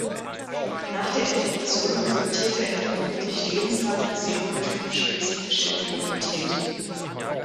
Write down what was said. Nach der Infektion resultiert eine vermutlich lebenslange serotypen-spezifische Immunität.